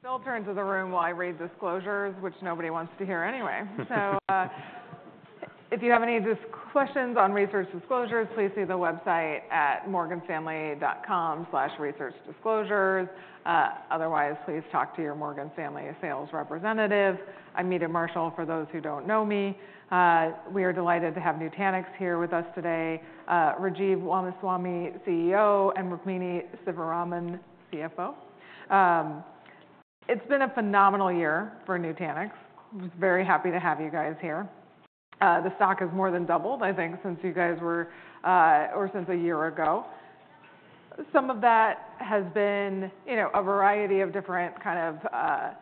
Phil turns to the room while I read disclosures, which nobody wants to hear anyway. So if you have any questions on research disclosures, please see the website at morganstanley.com/researchdisclosures. Otherwise, please talk to your Morgan Stanley sales representative. I'm Meta Marshall, for those who don't know me. We are delighted to have Nutanix here with us today, Rajiv Ramaswami, CEO, and Rukmini Sivaraman, CFO. It's been a phenomenal year for Nutanix. I'm very happy to have you guys here. The stock has more than doubled, I think, since you guys were or since a year ago. Some of that has been a variety of different kind of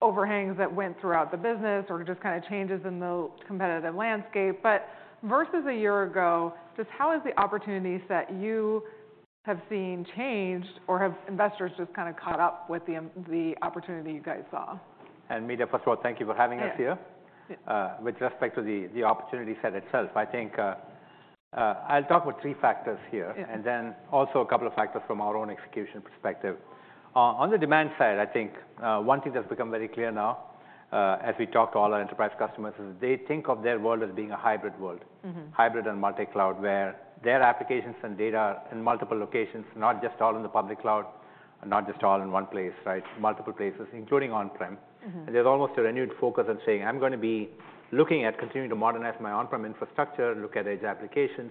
overhangs that went throughout the business or just kind of changes in the competitive landscape. But versus a year ago, just how has the opportunity set you have seen changed or have investors just kind of caught up with the opportunity you guys saw? Meta, first of all, thank you for having us here. With respect to the opportunity set itself, I think I'll talk about three factors here and then also a couple of factors from our own execution perspective. On the demand side, I think one thing that's become very clear now as we talk to all our enterprise customers is they think of their world as being a hybrid world, hybrid and multi-cloud, where their applications and data are in multiple locations, not just all in the public cloud and not just all in one place, right? Multiple places, including on-prem. There's almost a renewed focus on saying, I'm going to be looking at continuing to modernize my on-prem infrastructure, look at edge applications.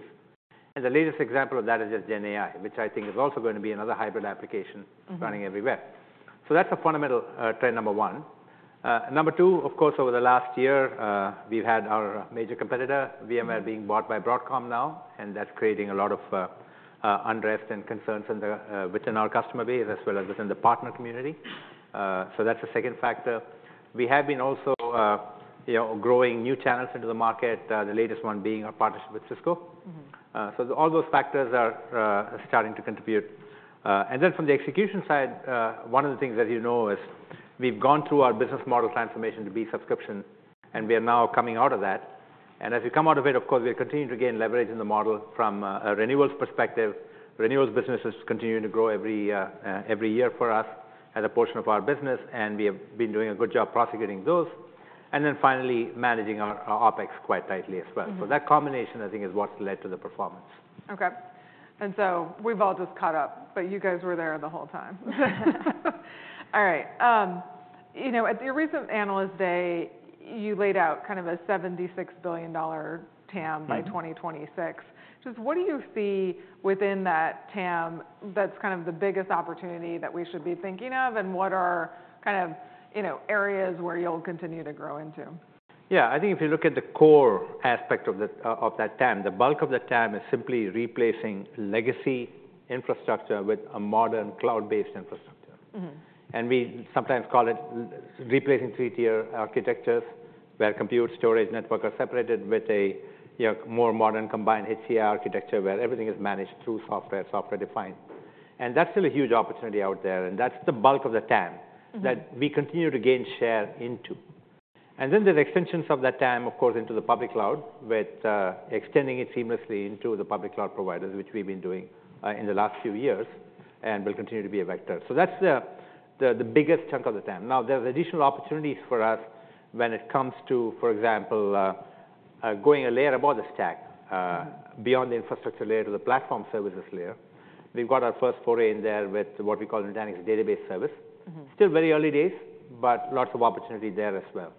The latest example of that is just GenAI, which I think is also going to be another hybrid application running everywhere. So that's a fundamental trend, number one. Number two, of course, over the last year, we've had our major competitor, VMware, being bought by Broadcom now. And that's creating a lot of unrest and concerns within our customer base as well as within the partner community. So that's the second factor. We have been also growing new channels into the market, the latest one being our partnership with Cisco. So all those factors are starting to contribute. And then from the execution side, one of the things that you know is we've gone through our business model transformation to be subscription, and we are now coming out of that. And as we come out of it, of course, we are continuing to gain leverage in the model from a renewals perspective. Renewals businesses continue to grow every year for us as a portion of our business, and we have been doing a good job prosecuting those. And then finally, managing our OpEx quite tightly as well. So that combination, I think, is what's led to the performance. Okay. So we've all just caught up, but you guys were there the whole time. All right. At your recent analyst day, you laid out kind of a $76 billion TAM by 2026. Just what do you see within that TAM that's kind of the biggest opportunity that we should be thinking of? And what are kind of areas where you'll continue to grow into? Yeah. I think if you look at the core aspect of that TAM, the bulk of the TAM is simply replacing legacy infrastructure with a modern cloud-based infrastructure. And we sometimes call it replacing three-tier architectures, where compute, storage, network are separated with a more modern combined HCI architecture, where everything is managed through software, software-defined. And that's still a huge opportunity out there. And that's the bulk of the TAM that we continue to gain share into. And then there's extensions of that TAM, of course, into the public cloud with extending it seamlessly into the public cloud providers, which we've been doing in the last few years and will continue to be a vector. So that's the biggest chunk of the TAM. Now, there are additional opportunities for us when it comes to, for example, going a layer above the stack, beyond the infrastructure layer to the platform services layer. We've got our first foray in there with what we call Nutanix Database Service. Still very early days, but lots of opportunity there as well.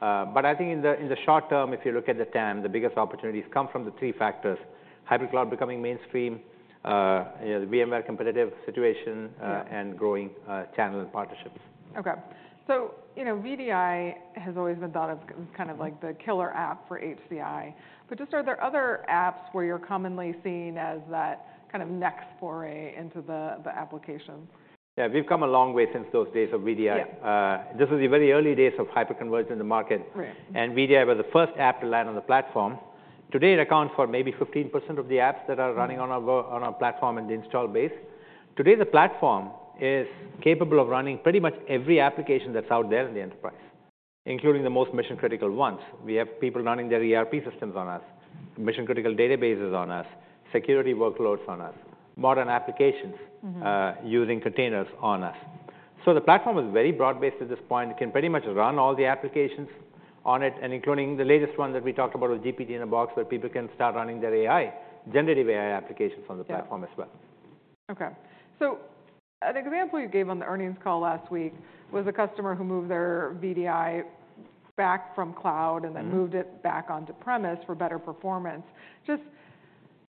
But I think in the short term, if you look at the TAM, the biggest opportunities come from the three factors: hybrid cloud becoming mainstream, the VMware competitive situation, and growing channel and partnerships. Okay. So VDI has always been thought of as kind of like the killer app for HCI. But just are there other apps where you're commonly seen as that kind of next foray into the applications? Yeah. We've come a long way since those days of VDI. This was the very early days of hyperconverged in the market. VDI was the first app to land on the platform. Today, it accounts for maybe 15% of the apps that are running on our platform and the install base. Today, the platform is capable of running pretty much every application that's out there in the enterprise, including the most mission-critical ones. We have people running their ERP systems on us, mission-critical databases on us, security workloads on us, modern applications using containers on us. The platform is very broad-based at this point. It can pretty much run all the applications on it, including the latest one that we talked about with GPT-in-a-Box where people can start running their AI, generative AI applications on the platform as well. Okay. So an example you gave on the earnings call last week was a customer who moved their VDI back from cloud and then moved it back onto premises for better performance. Just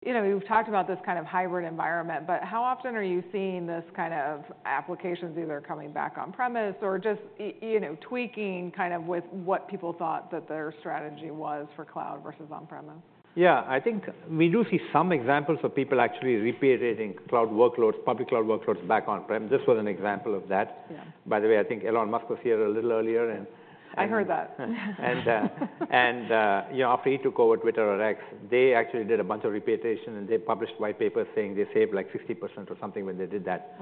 you've talked about this kind of hybrid environment, but how often are you seeing this kind of applications either coming back on-premises or just tweaking kind of with what people thought that their strategy was for cloud versus on-premises? Yeah. I think we do see some examples of people actually repeatedly putting public cloud workloads back on-prem. This was an example of that. By the way, I think Elon Musk was here a little earlier and. I heard that. After he took over Twitter or X, they actually did a bunch of repatriation, and they published white papers saying they saved like 60% or something when they did that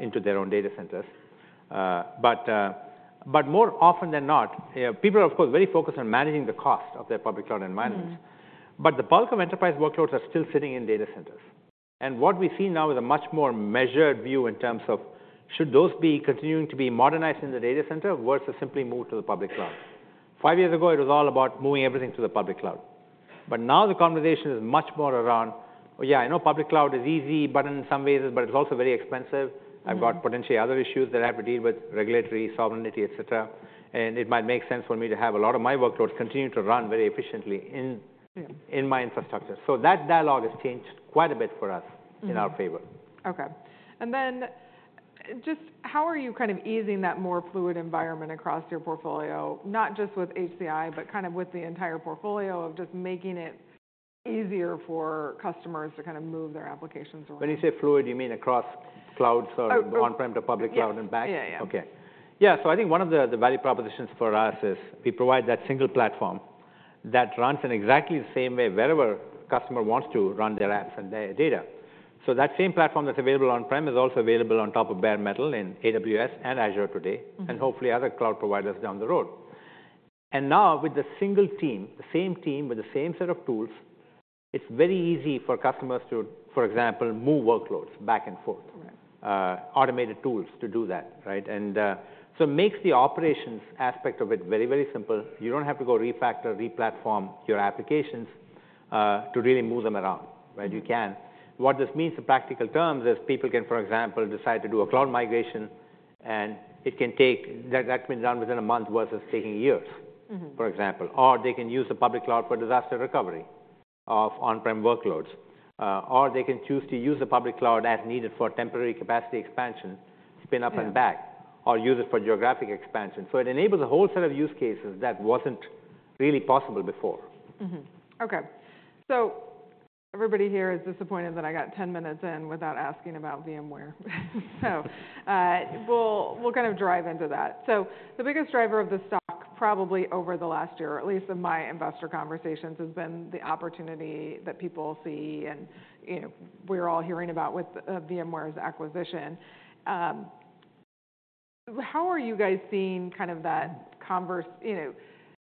into their own data centers. But more often than not, people are, of course, very focused on managing the cost of their public cloud environments. But the bulk of enterprise workloads are still sitting in data centers. What we see now is a much more measured view in terms of should those be continuing to be modernized in the data center versus simply moved to the public cloud. Five years ago, it was all about moving everything to the public cloud. But now the conversation is much more around, "Oh yeah, I know public cloud is easy button in some ways, but it's also very expensive. I've got potentially other issues that I have to deal with, regulatory, sovereignty, etc. And it might make sense for me to have a lot of my workloads continue to run very efficiently in my infrastructure. So that dialogue has changed quite a bit for us in our favor. Okay. And then just how are you kind of easing that more fluid environment across your portfolio, not just with HCI, but kind of with the entire portfolio of just making it easier for customers to kind of move their applications around? When you say fluid, you mean across clouds or on-prem to public cloud and back? Yeah. Yeah. Okay. Yeah. So I think one of the value propositions for us is we provide that single platform that runs in exactly the same way wherever a customer wants to run their apps and their data. So that same platform that's available on-prem is also available on top of bare metal in AWS and Azure today, and hopefully other cloud providers down the road. And now with the same team, with the same set of tools, it's very easy for customers to, for example, move workloads back and forth, automated tools to do that, right? And so it makes the operations aspect of it very, very simple. You don't have to go refactor, replatform your applications to really move them around, right? You can. What this means in practical terms is people can, for example, decide to do a cloud migration, and it can be done within a month versus taking years, for example. Or they can use the public cloud for disaster recovery of on-prem workloads. Or they can choose to use the public cloud as needed for temporary capacity expansion, spin up and back, or use it for geographic expansion. So it enables a whole set of use cases that wasn't really possible before. Okay. So everybody here is disappointed that I got 10 minutes in without asking about VMware. So we'll kind of drive into that. So the biggest driver of the stock, probably over the last year or at least in my investor conversations, has been the opportunity that people see and we're all hearing about with VMware's acquisition. How are you guys seeing kind of that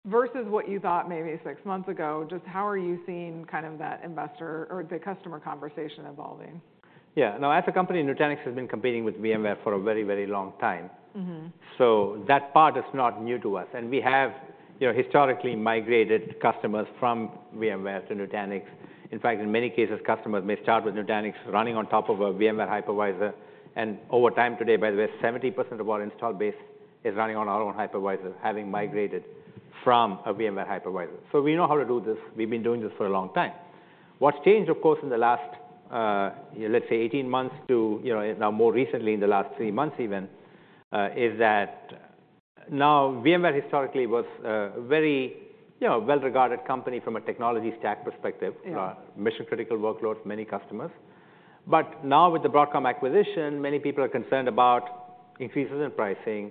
versus what you thought maybe six months ago? Just how are you seeing kind of that investor or the customer conversation evolving? Yeah. Now, as a company, Nutanix has been competing with VMware for a very, very long time. So that part is not new to us. And we have historically migrated customers from VMware to Nutanix. In fact, in many cases, customers may start with Nutanix running on top of a VMware hypervisor. And over time today, by the way, 70% of our installed base is running on our own hypervisor, having migrated from a VMware hypervisor. So we know how to do this. We've been doing this for a long time. What's changed, of course, in the last, let's say, 18 months to now more recently, in the last 3 months even, is that now VMware historically was a very well-regarded company from a technology stack perspective, mission-critical workloads, many customers. But now with the Broadcom acquisition, many people are concerned about increases in pricing,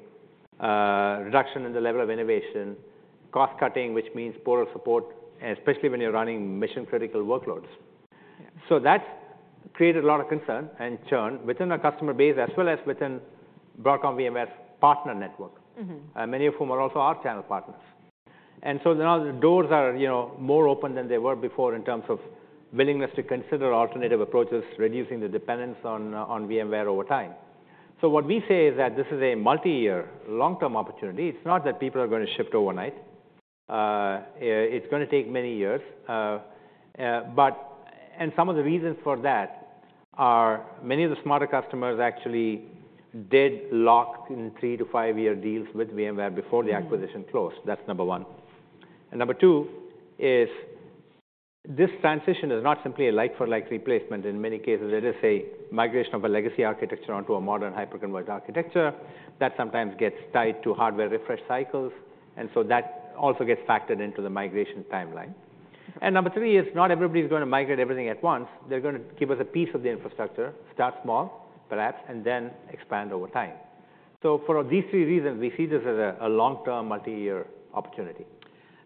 reduction in the level of innovation, cost cutting, which means poorer support, especially when you're running mission-critical workloads. So that's created a lot of concern and churn within our customer base as well as within Broadcom VMware's partner network, many of whom are also our channel partners. And so now the doors are more open than they were before in terms of willingness to consider alternative approaches, reducing the dependence on VMware over time. So what we say is that this is a multi-year, long-term opportunity. It's not that people are going to shift overnight. It's going to take many years. And some of the reasons for that are many of the smarter customers actually did lock in 3- to 5-year deals with VMware before the acquisition closed. That's number one. And number two is this transition is not simply a like-for-like replacement. In many cases, it is a migration of a legacy architecture onto a modern hyperconverged architecture that sometimes gets tied to hardware refresh cycles. And so that also gets factored into the migration timeline. And number three is not everybody's going to migrate everything at once. They're going to give us a piece of the infrastructure, start small, perhaps, and then expand over time. So for these three reasons, we see this as a long-term, multi-year opportunity.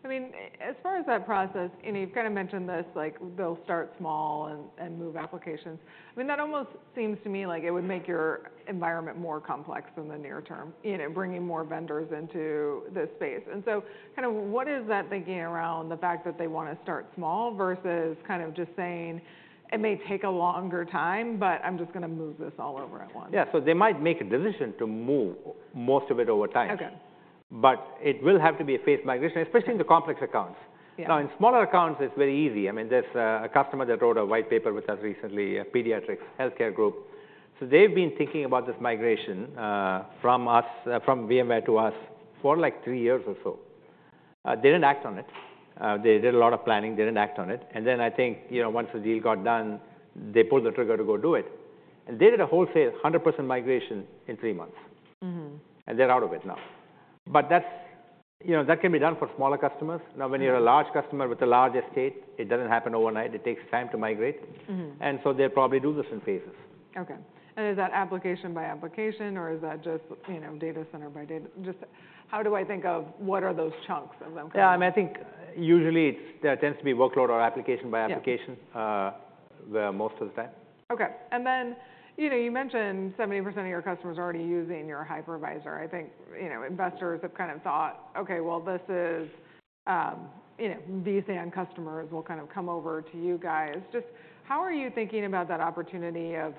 I mean, as far as that process, you've kind of mentioned this, like they'll start small and move applications. I mean, that almost seems to me like it would make your environment more complex in the near term, bringing more vendors into this space. And so kind of what is that thinking around the fact that they want to start small versus kind of just saying, "It may take a longer time, but I'm just going to move this all over at once"? Yeah. So they might make a decision to move most of it over time. But it will have to be a phased migration, especially in the complex accounts. Now, in smaller accounts, it's very easy. I mean, there's a customer that wrote a white paper with us recently, a pediatrics healthcare group. So they've been thinking about this migration from VMware to us for like three years or so. They didn't act on it. They did a lot of planning. They didn't act on it. And then I think once the deal got done, they pulled the trigger to go do it. And they did a wholesale 100% migration in three months. And they're out of it now. But that can be done for smaller customers. Now, when you're a large customer with a large estate, it doesn't happen overnight. It takes time to migrate. They'll probably do this in phases. Okay. Is that application by application, or is that just data center by data? Just how do I think of what are those chunks of them? Yeah. I mean, I think usually there tends to be workload or application by application most of the time. Okay. Then you mentioned 70% of your customers are already using your hypervisor. I think investors have kind of thought, "Okay. Well, this is vSAN customers will kind of come over to you guys." Just how are you thinking about that opportunity of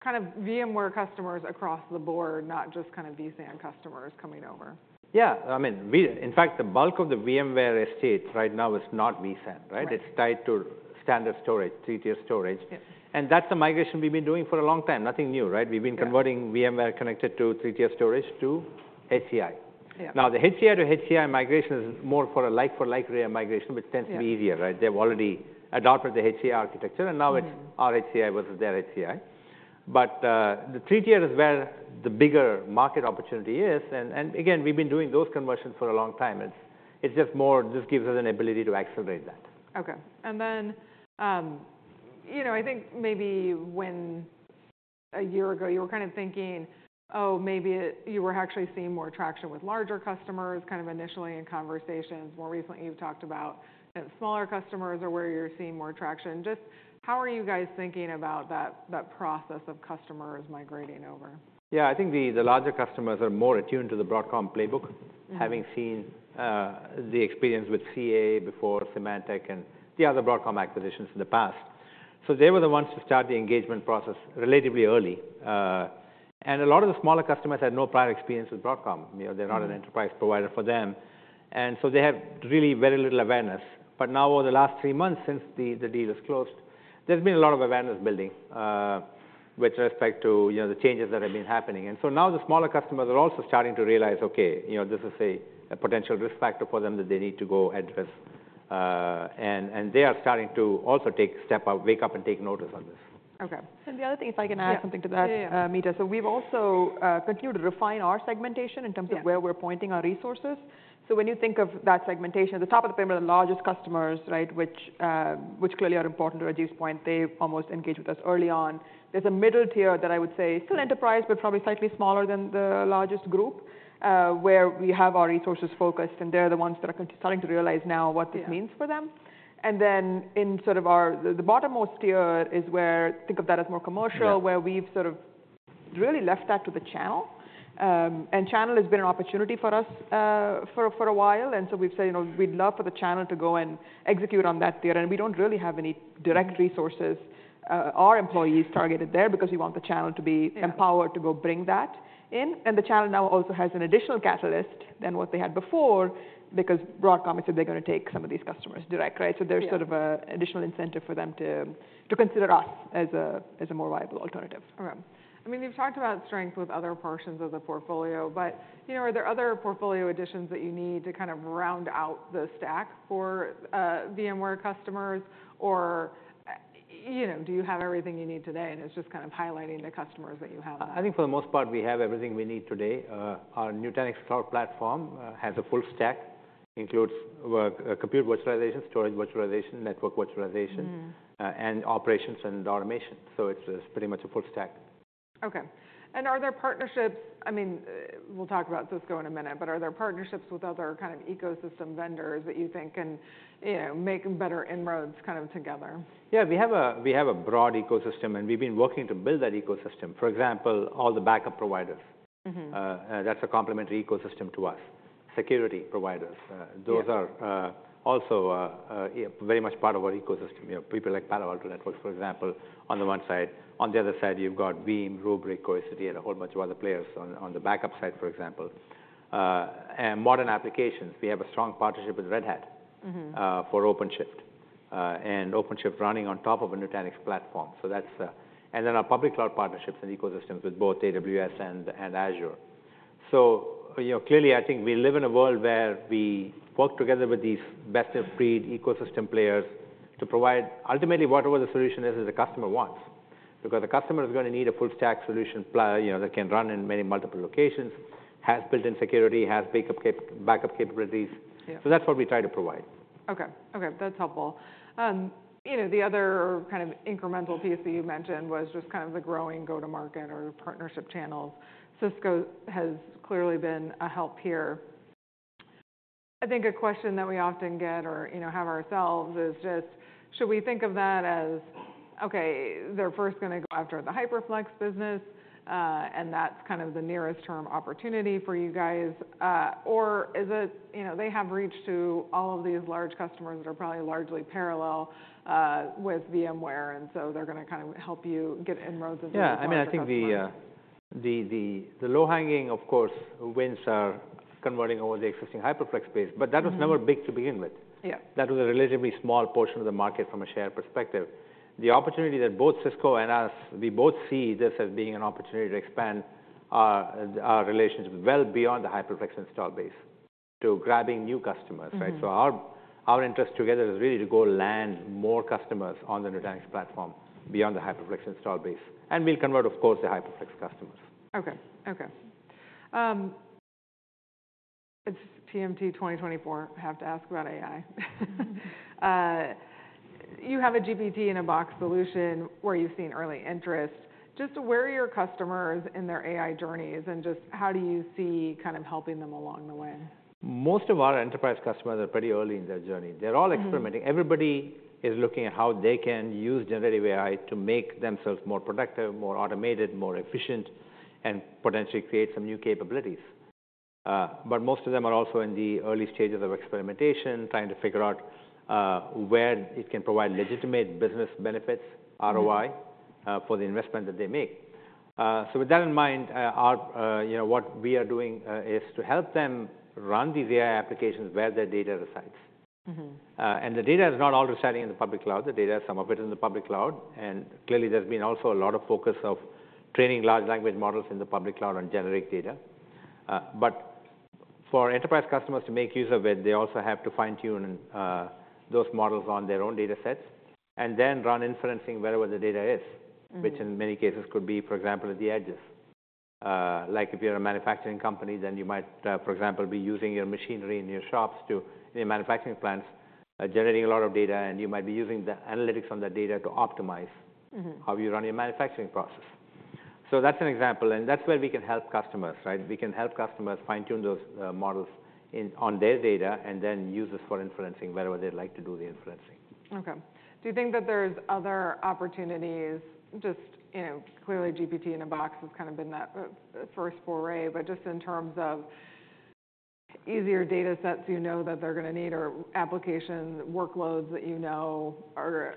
kind of VMware customers across the board, not just kind of vSAN customers coming over? Yeah. I mean, in fact, the bulk of the VMware estate right now is not vSAN, right? It's tied to standard storage, three-tier storage. And that's a migration we've been doing for a long time, nothing new, right? We've been converting VMware connected to three-tier storage to HCI. Now, the HCI to HCI migration is more for a like-for-like migration, which tends to be easier, right? They've already adopted the HCI architecture, and now it's our HCI versus their HCI. But the three-tier is where the bigger market opportunity is. And again, we've been doing those conversions for a long time. It's just more this gives us an ability to accelerate that. Okay. Then I think maybe when a year ago, you were kind of thinking, "Oh, maybe you were actually seeing more traction with larger customers kind of initially in conversations." More recently, you've talked about smaller customers are where you're seeing more traction. Just how are you guys thinking about that process of customers migrating over? Yeah. I think the larger customers are more attuned to the Broadcom playbook, having seen the experience with CA before, Symantec, and the other Broadcom acquisitions in the past. So they were the ones to start the engagement process relatively early. And a lot of the smaller customers had no prior experience with Broadcom. They're not an enterprise provider for them. And so they have really very little awareness. But now, over the last three months since the deal is closed, there's been a lot of awareness building with respect to the changes that have been happening. And so now the smaller customers are also starting to realize, "Okay. This is a potential risk factor for them that they need to go address." And they are starting to also wake up and take notice on this. Okay. And the other thing, if I can add something to that, Meta, so we've also continued to refine our segmentation in terms of where we're pointing our resources. So when you think of that segmentation, at the top of the pyramid, the largest customers, right, which clearly are important to Rajiv's point, they almost engage with us early on. There's a middle tier that I would say is still enterprise, but probably slightly smaller than the largest group, where we have our resources focused. And they're the ones that are starting to realize now what this means for them. And then in sort of the bottommost tier is where, think of that as more commercial, where we've sort of really left that to the channel. And channel has been an opportunity for us for a while. So we've said we'd love for the channel to go and execute on that tier. We don't really have any direct resources, our employees, targeted there because we want the channel to be empowered to go bring that in. The channel now also has an additional catalyst than what they had before because Broadcom has said they're going to take some of these customers direct, right? So there's sort of an additional incentive for them to consider us as a more viable alternative. All right. I mean, you've talked about strength with other portions of the portfolio, but are there other portfolio additions that you need to kind of round out the stack for VMware customers? Or do you have everything you need today, and it's just kind of highlighting the customers that you have? I think for the most part, we have everything we need today. Our Nutanix Cloud Platform has a full stack, includes compute virtualization, storage virtualization, network virtualization, and operations and automation. So it's pretty much a full stack. Okay. Are there partnerships? I mean, we'll talk about Cisco in a minute, but are there partnerships with other kind of ecosystem vendors that you think can make better inroads kind of together? Yeah. We have a broad ecosystem, and we've been working to build that ecosystem. For example, all the backup providers, that's a complementary ecosystem to us, security providers. Those are also very much part of our ecosystem. People like Palo Alto Networks, for example, on the one side. On the other side, you've got Veeam, Rubrik, Cohesity, and a whole bunch of other players on the backup side, for example. Modern applications, we have a strong partnership with Red Hat for OpenShift and OpenShift running on top of a Nutanix platform. And then our public cloud partnerships and ecosystems with both AWS and Azure. So clearly, I think we live in a world where we work together with these best-of-breed ecosystem players to provide ultimately whatever the solution is that the customer wants because the customer is going to need a full-stack solution that can run in many multiple locations, has built-in security, has backup capabilities. So that's what we try to provide. Okay. Okay. That's helpful. The other kind of incremental piece that you mentioned was just kind of the growing go-to-market or partnership channels. Cisco has clearly been a help here. I think a question that we often get or have ourselves is just, should we think of that as, "Okay. They're first going to go after the HyperFlex business, and that's kind of the nearest-term opportunity for you guys"? Or is it they have reached to all of these large customers that are probably largely parallel with VMware, and so they're going to kind of help you get inroads into the cloud platform? Yeah. I mean, I think the low-hanging, of course, wins are converting over the existing HyperFlex space. But that was never big to begin with. That was a relatively small portion of the market from a share perspective. The opportunity that both Cisco and us, we both see this as being an opportunity to expand our relationship well beyond the HyperFlex install base to grabbing new customers, right? So our interest together is really to go land more customers on the Nutanix platform beyond the HyperFlex install base. And we'll convert, of course, to HyperFlex customers. Okay. Okay. It's TMT 2024, have to ask about AI. You have a GPT-in-a-Box solution where you've seen early interest. Just where are your customers in their AI journeys, and just how do you see kind of helping them along the way? Most of our enterprise customers are pretty early in their journey. They're all experimenting. Everybody is looking at how they can use generative AI to make themselves more productive, more automated, more efficient, and potentially create some new capabilities. Most of them are also in the early stages of experimentation, trying to figure out where it can provide legitimate business benefits, ROI, for the investment that they make. With that in mind, what we are doing is to help them run these AI applications where their data resides. The data is not all residing in the public cloud. The data is some of it in the public cloud. Clearly, there's been also a lot of focus of training large language models in the public cloud on generic data. But for enterprise customers to make use of it, they also have to fine-tune those models on their own datasets and then run inferencing wherever the data is, which in many cases could be, for example, at the edges. Like if you're a manufacturing company, then you might, for example, be using your machinery in your shops to in your manufacturing plants, generating a lot of data. And you might be using the analytics on that data to optimize how you run your manufacturing process. So that's an example. And that's where we can help customers, right? We can help customers fine-tune those models on their data and then use this for inferencing wherever they'd like to do the inferencing. Okay. Do you think that there's other opportunities? Just clearly, GPT-in-a-Box has kind of been that first foray. But just in terms of easier datasets you know that they're going to need or application workloads that you know are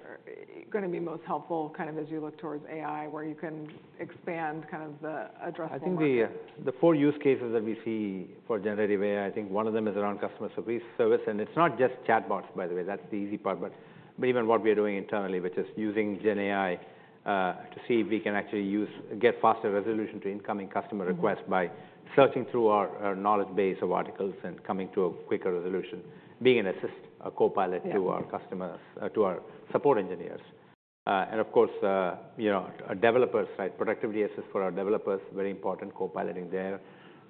going to be most helpful kind of as you look towards AI, where you can expand kind of the addressable market? I think the four use cases that we see for generative AI. I think one of them is around customer service. It's not just chatbots, by the way. That's the easy part. But even what we are doing internally, which is using GenAI to see if we can actually get faster resolution to incoming customer requests by searching through our knowledge base of articles and coming to a quicker resolution, being an assist, a co-pilot to our customers, to our support engineers. And of course, developers, right? Productivity assist for our developers, very important co-piloting there.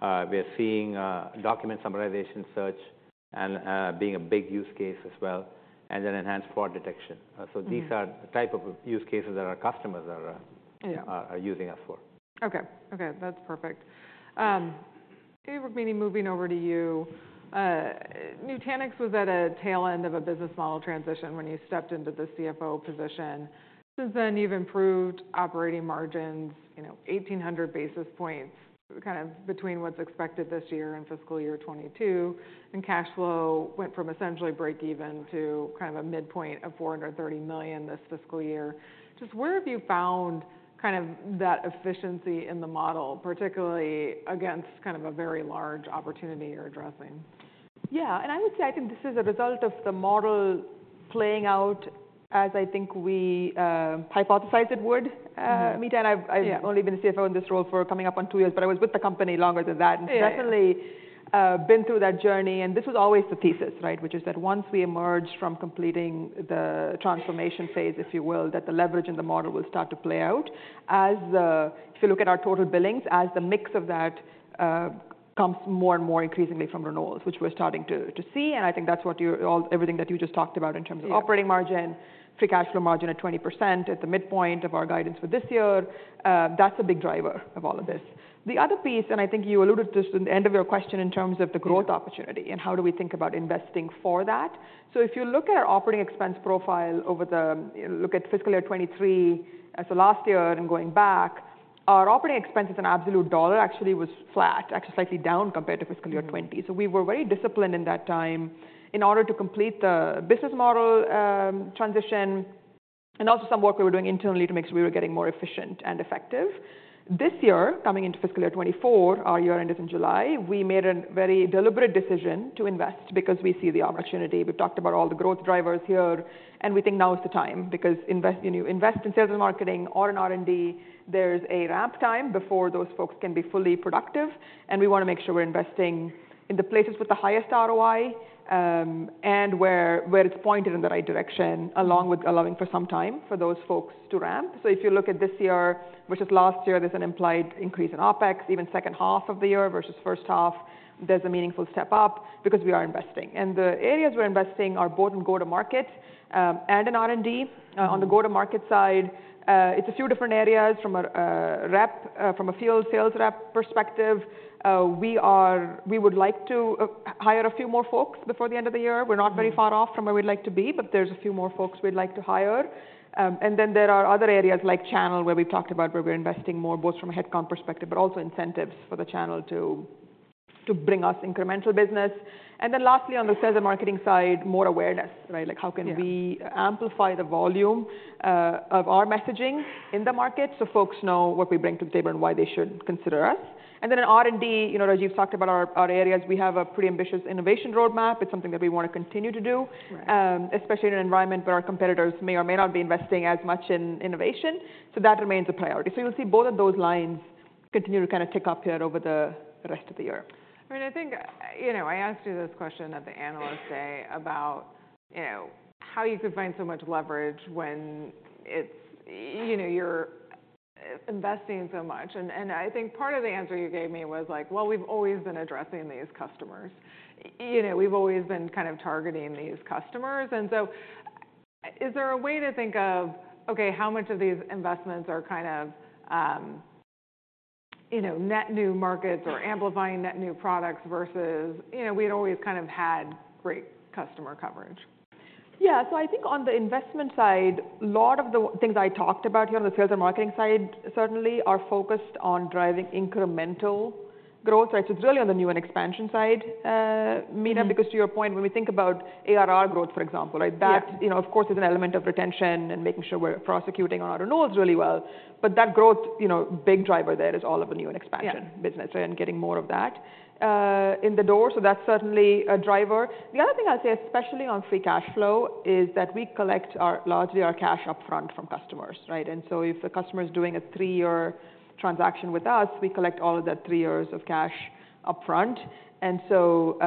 We're seeing document summarization search being a big use case as well, and then enhanced fraud detection. These are the type of use cases that our customers are using us for. Okay. Okay. That's perfect. Hey, Rukmini, moving over to you. Nutanix was at a tail end of a business model transition when you stepped into the CFO position. Since then, you've improved operating margins, 1,800 basis points kind of between what's expected this year and fiscal year 2022. And cash flow went from essentially break-even to kind of a midpoint of $430 million this fiscal year. Just where have you found kind of that efficiency in the model, particularly against kind of a very large opportunity you're addressing? Yeah. And I would say I think this is a result of the model playing out as I think we hypothesized it would, Meta. And I've only been a CFO in this role for coming up on two years, but I was with the company longer than that. And it's definitely been through that journey. And this was always the thesis, right, which is that once we emerge from completing the transformation phase, if you will, that the leverage in the model will start to play out. If you look at our total billings, as the mix of that comes more and more increasingly from renewals, which we're starting to see. And I think that's what everything that you just talked about in terms of operating margin, free cash flow margin at 20% at the midpoint of our guidance for this year, that's a big driver of all of this. The other piece, and I think you alluded to this at the end of your question in terms of the growth opportunity and how do we think about investing for that. So if you look at our operating expense profile over the look at fiscal year 2023, so last year and going back, our operating expense in absolute dollars actually was flat, actually slightly down compared to fiscal year 2020. So we were very disciplined in that time in order to complete the business model transition and also some work we were doing internally to make sure we were getting more efficient and effective. This year, coming into fiscal year 2024, our year-end is in July, we made a very deliberate decision to invest because we see the opportunity. We've talked about all the growth drivers here. We think now is the time because you invest in sales and marketing or in R&D, there's a ramp time before those folks can be fully productive. We want to make sure we're investing in the places with the highest ROI and where it's pointed in the right direction along with allowing for some time for those folks to ramp. So if you look at this year versus last year, there's an implied increase in OpEx. Even second half of the year versus first half, there's a meaningful step up because we are investing. The areas we're investing are both in go-to-market and in R&D. On the go-to-market side, it's a few different areas. From a sales rep perspective, we would like to hire a few more folks before the end of the year. We're not very far off from where we'd like to be, but there's a few more folks we'd like to hire. Then there are other areas like channel where we've talked about where we're investing more, both from a headcount perspective, but also incentives for the channel to bring us incremental business. Then lastly, on the sales and marketing side, more awareness, right? Like how can we amplify the volume of our messaging in the market so folks know what we bring to the table and why they should consider us? Then in R&D, Rajiv's talked about our areas. We have a pretty ambitious innovation roadmap. It's something that we want to continue to do, especially in an environment where our competitors may or may not be investing as much in innovation. That remains a priority. You'll see both of those lines continue to kind of tick up here over the rest of the year. I mean, I think I asked you this question at the analyst day about how you could find so much leverage when you're investing so much. And I think part of the answer you gave me was like, "Well, we've always been addressing these customers. We've always been kind of targeting these customers." And so is there a way to think of, "Okay. How much of these investments are kind of net new markets or amplifying net new products versus we'd always kind of had great customer coverage? Yeah. So I think on the investment side, a lot of the things I talked about here on the sales and marketing side, certainly, are focused on driving incremental growth, right? So it's really on the new and expansion side, Meta, because to your point, when we think about ARR growth, for example, right, that, of course, is an element of retention and making sure we're prosecuting on our renewals really well. But that growth, big driver there is all of the new and expansion business, right, and getting more of that in the door. So that's certainly a driver. The other thing I'll say, especially on free cash flow, is that we collect largely our cash upfront from customers, right? And so if a customer is doing a three-year transaction with us, we collect all of that three years of cash upfront. And so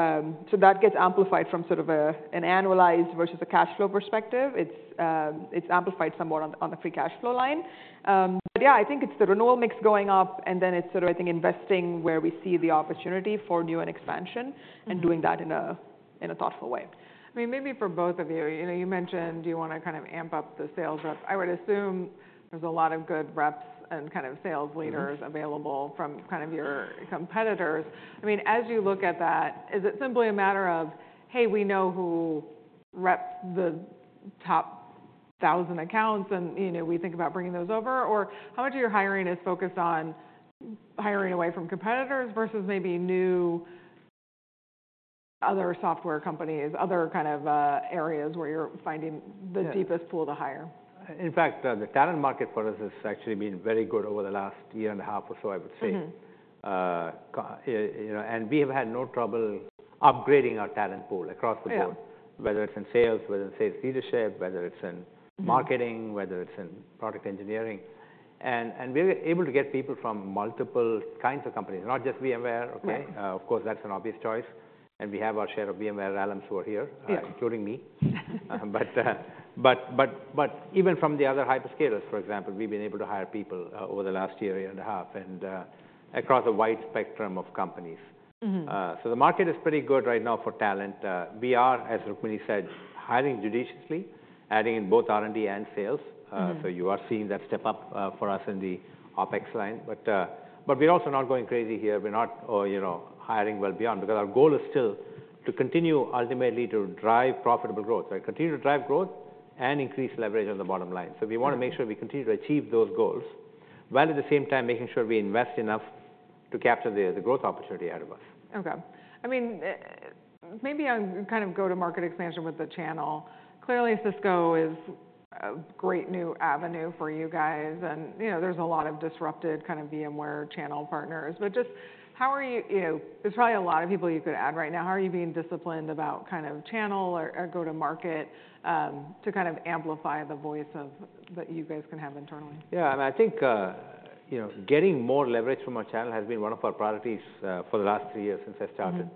that gets amplified from sort of an annualized versus a cash flow perspective. It's amplified somewhat on the free cash flow line. But yeah, I think it's the renewal mix going up. And then it's sort of, I think, investing where we see the opportunity for new and expansion and doing that in a thoughtful way. I mean, maybe for both of you, you mentioned you want to kind of amp up the sales rep. I would assume there's a lot of good reps and kind of sales leaders available from kind of your competitors. I mean, as you look at that, is it simply a matter of, "Hey, we know who reps the top 1,000 accounts, and we think about bringing those over"? Or how much of your hiring is focused on hiring away from competitors versus maybe new other software companies, other kind of areas where you're finding the deepest pool to hire? In fact, the talent market for us has actually been very good over the last year and a half or so, I would say. And we have had no trouble upgrading our talent pool across the board, whether it's in sales, whether it's sales leadership, whether it's in marketing, whether it's in product engineering. And we're able to get people from multiple kinds of companies, not just VMware, okay? Of course, that's an obvious choice. And we have our share of VMware alums who are here, including me. But even from the other hyperscalers, for example, we've been able to hire people over the last year, year and a half, and across a wide spectrum of companies. So the market is pretty good right now for talent. We are, as Rukmini said, hiring judiciously, adding in both R&D and sales. So you are seeing that step up for us in the OpEx line. But we're also not going crazy here. We're not hiring well beyond because our goal is still to continue ultimately to drive profitable growth, right? Continue to drive growth and increase leverage on the bottom line. So we want to make sure we continue to achieve those goals while at the same time making sure we invest enough to capture the growth opportunity out of us. Okay. I mean, maybe I'll kind of go to market expansion with the channel. Clearly, Cisco is a great new avenue for you guys. And there's a lot of disrupted kind of VMware channel partners. But just how are you? There's probably a lot of people you could add right now. How are you being disciplined about kind of channel or go-to-market to kind of amplify the voice that you guys can have internally? Yeah. I mean, I think getting more leverage from our channel has been one of our priorities for the last three years since I started.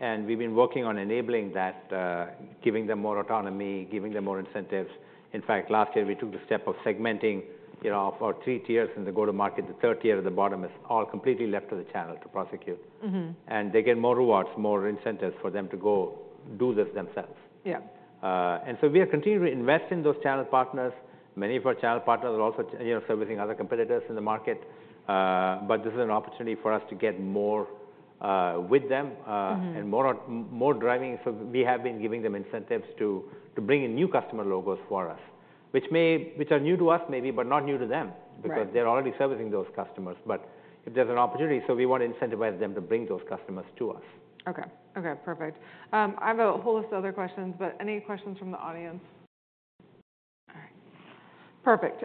And we've been working on enabling that, giving them more autonomy, giving them more incentives. In fact, last year, we took the step of segmenting our three tiers in the go-to-market. The third tier at the bottom is all completely left to the channel to prosecute. And they get more rewards, more incentives for them to go do this themselves. And so we are continuing to invest in those channel partners. Many of our channel partners are also servicing other competitors in the market. But this is an opportunity for us to get more with them and more driving. We have been giving them incentives to bring in new customer logos for us, which are new to us maybe, but not new to them because they're already servicing those customers. If there's an opportunity, so we want to incentivize them to bring those customers to us. Okay. Okay. Perfect. I have a whole list of other questions. But any questions from the audience? All right. Perfect.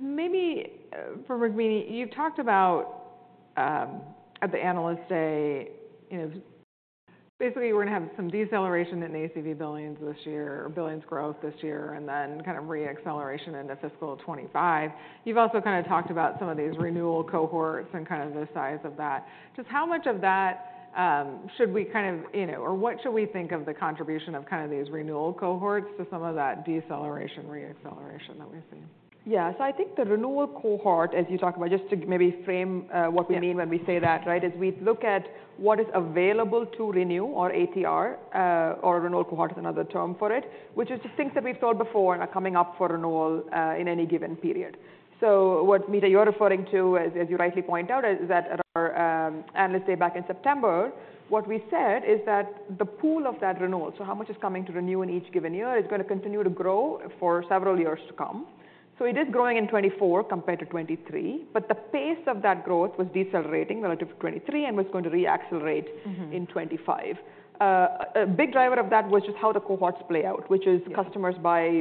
Maybe for Rukmini, you've talked about at the analyst day, basically, we're going to have some deceleration in ACV billings this year or billings growth this year and then kind of re-acceleration into fiscal 2025. You've also kind of talked about some of these renewal cohorts and kind of the size of that. Just how much of that should we kind of or what should we think of the contribution of kind of these renewal cohorts to some of that deceleration, re-acceleration that we've seen? Yeah. So I think the renewal cohort, as you talk about, just to maybe frame what we mean when we say that, right, is we look at what is available to renew or ATR, or renewal cohort is another term for it, which is just things that we've thought before and are coming up for renewal in any given period. So what, Meta, you're referring to, as you rightly point out, is that at our analyst day back in September, what we said is that the pool of that renewal, so how much is coming to renew in each given year, is going to continue to grow for several years to come. So it is growing in 2024 compared to 2023. But the pace of that growth was decelerating relative to 2023 and was going to re-accelerate in 2025. A big driver of that was just how the cohorts play out, which is customers buy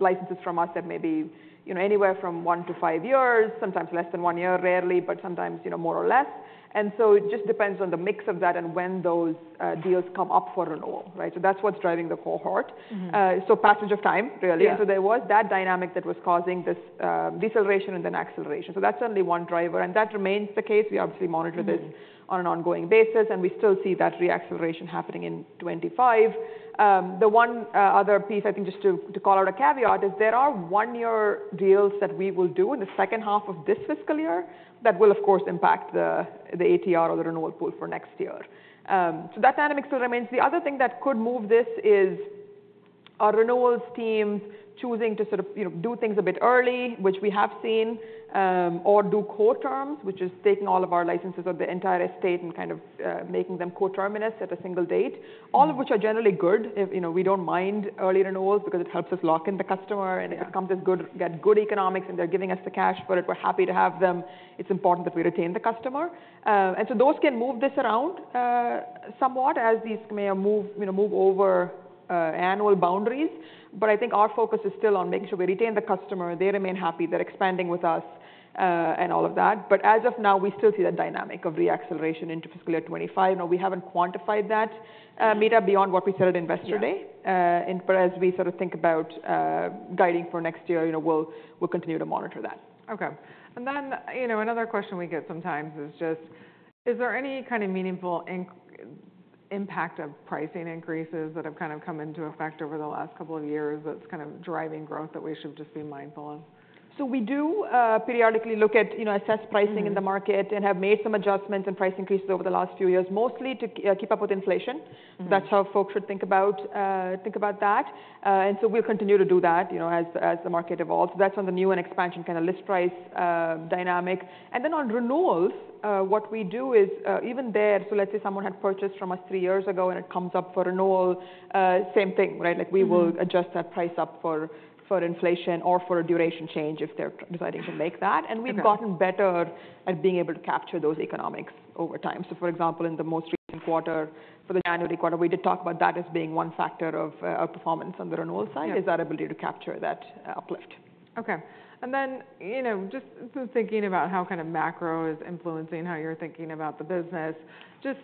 licenses from us that may be anywhere from 1 to 5 years, sometimes less than 1 year, rarely, but sometimes more or less. And so it just depends on the mix of that and when those deals come up for renewal, right? So that's what's driving the cohort. So passage of time, really. And so there was that dynamic that was causing this deceleration and then acceleration. So that's certainly one driver. And that remains the case. We obviously monitor this on an ongoing basis. And we still see that re-acceleration happening in 2025. The one other piece, I think, just to call out a caveat is there are one-year deals that we will do in the second half of this fiscal year that will, of course, impact the ATR or the renewal pool for next year. So that dynamic still remains. The other thing that could move this is our renewals teams choosing to sort of do things a bit early, which we have seen, or do coterms, which is taking all of our licenses of the entire estate and kind of making them coterminous at a single date, all of which are generally good. We don't mind early renewals because it helps us lock in the customer. And if it comes as good, get good economics, and they're giving us the cash for it, we're happy to have them. It's important that we retain the customer. Those can move this around somewhat as these may move over annual boundaries. I think our focus is still on making sure we retain the customer. They remain happy. They're expanding with us and all of that. As of now, we still see that dynamic of re-acceleration into fiscal year 2025. We haven't quantified that, Meta, beyond what we said at investor day. As we sort of think about guiding for next year, we'll continue to monitor that. Okay. And then another question we get sometimes is just, is there any kind of meaningful impact of pricing increases that have kind of come into effect over the last couple of years that's kind of driving growth that we should just be mindful of? So we do periodically look at assess pricing in the market and have made some adjustments and price increases over the last few years, mostly to keep up with inflation. That's how folks should think about that. And so we'll continue to do that as the market evolves. So that's on the new and expansion kind of list price dynamic. And then on renewals, what we do is even there, so let's say someone had purchased from us three years ago, and it comes up for renewal, same thing, right? Like we will adjust that price up for inflation or for a duration change if they're deciding to make that. And we've gotten better at being able to capture those economics over time. For example, in the most recent quarter, for the January quarter, we did talk about that as being one factor of performance on the renewal side: our ability to capture that uplift. Okay. And then just thinking about how kind of macro is influencing how you're thinking about the business, just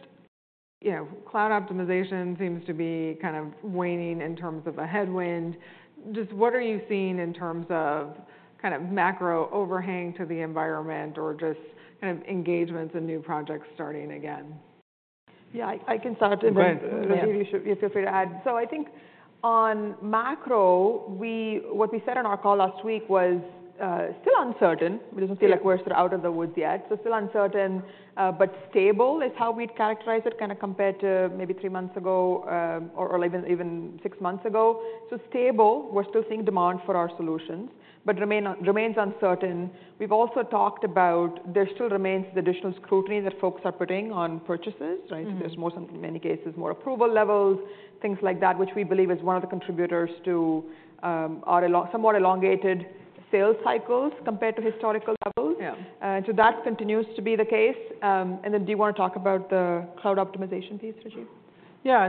cloud optimization seems to be kind of waning in terms of a headwind. Just what are you seeing in terms of kind of macro overhang to the environment or just kind of engagements in new projects starting again? Yeah. I can start. And then, Rajiv, you feel free to add. So I think on macro, what we said on our call last week was still uncertain. We don't feel like we're sort of out of the woods yet. So still uncertain but stable is how we'd characterize it kind of compared to maybe three months ago or even six months ago. So stable, we're still seeing demand for our solutions, but remains uncertain. We've also talked about there still remains the additional scrutiny that folks are putting on purchases, right? So there's more, in many cases, more approval levels, things like that, which we believe is one of the contributors to somewhat elongated sales cycles compared to historical levels. And so that continues to be the case. And then do you want to talk about the cloud optimization piece, Rajiv? Yeah.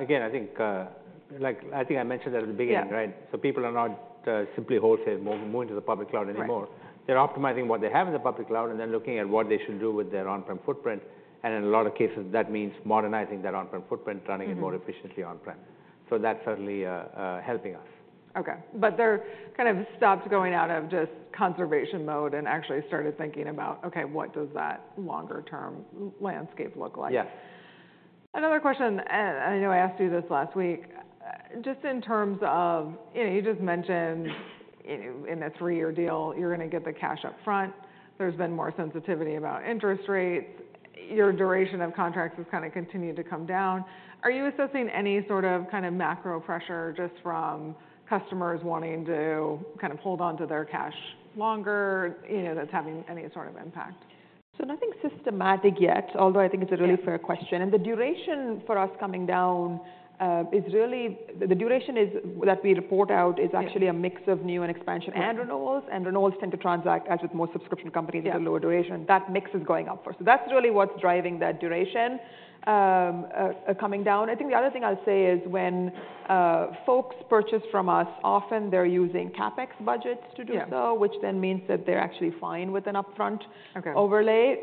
Again, I think I mentioned that at the beginning, right? So people are not simply wholesale moving to the public cloud anymore. They're optimizing what they have in the public cloud and then looking at what they should do with their on-prem footprint. And in a lot of cases, that means modernizing their on-prem footprint, running it more efficiently on-prem. So that's certainly helping us. Okay. But they're kind of stopped going out of just conservation mode and actually started thinking about, "Okay. What does that longer-term landscape look like? Yes. Another question. I know I asked you this last week. Just in terms of you just mentioned in a three-year deal, you're going to get the cash upfront. There's been more sensitivity about interest rates. Your duration of contracts has kind of continued to come down. Are you assessing any sort of kind of macro pressure just from customers wanting to kind of hold onto their cash longer that's having any sort of impact? So nothing systematic yet, although I think it's a really fair question. And the duration for us coming down is really the duration that we report out is actually a mix of new and expansion and renewals. And renewals tend to transact as with most subscription companies at a lower duration. That mix is going up for us. So that's really what's driving that duration coming down. I think the other thing I'll say is when folks purchase from us, often they're using CapEx budgets to do so, which then means that they're actually fine with an upfront overlay.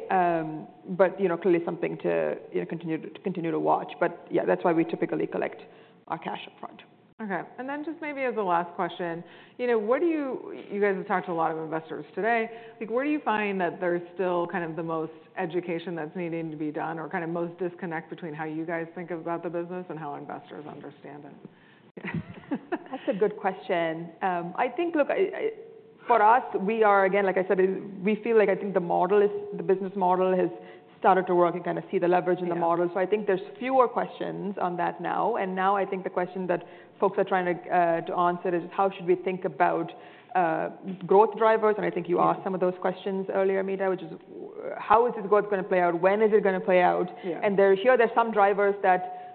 But clearly, something to continue to watch. But yeah, that's why we typically collect our cash upfront. Okay. And then just maybe as a last question, you guys have talked to a lot of investors today. Where do you find that there's still kind of the most education that's needing to be done or kind of most disconnect between how you guys think about the business and how investors understand it? That's a good question. I think, look, for us, we are again, like I said, we feel like I think the business model has started to work and kind of see the leverage in the model. So I think there's fewer questions on that now. And now I think the question that folks are trying to answer is just, how should we think about growth drivers? And I think you asked some of those questions earlier, Meta, which is, how is this growth going to play out? When is it going to play out? And here, there's some drivers that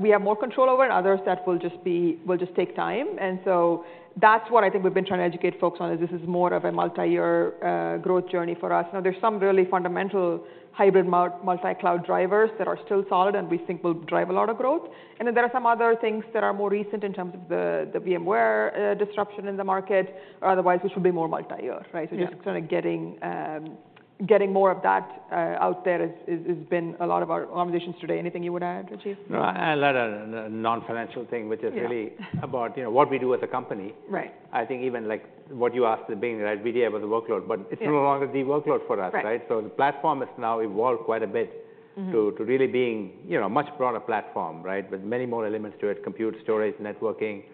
we have more control over and others that will just take time. And so that's what I think we've been trying to educate folks on is this is more of a multi-year growth journey for us. Now, there's some really fundamental hybrid multi-cloud drivers that are still solid and we think will drive a lot of growth. And then there are some other things that are more recent in terms of the VMware disruption in the market or otherwise, which will be more multi-year, right? So just kind of getting more of that out there has been a lot of our conversations today. Anything you want to add, Rajiv? No. I'll add a non-financial thing, which is really about what we do as a company. I think even what you asked at the beginning, right, we deal with the workload. But it's no longer the workload for us, right? So the platform has now evolved quite a bit to really being a much broader platform, right, with many more elements to it: compute, storage, networking.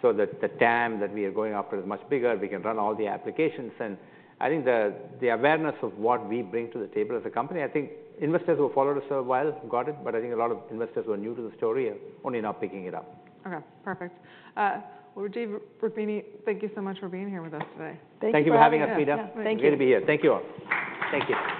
So the TAM that we are going after is much bigger. We can run all the applications. And I think the awareness of what we bring to the table as a company, I think investors who have followed us a while got it. But I think a lot of investors who are new to the story are only now picking it up. Okay. Perfect. Well, Rajiv and Rukmini, thank you so much for being here with us today. Thank you for having us, Meta. Great to be here. Thank you all. Thank you.